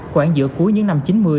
khoảng giữa cuối những năm chín mươi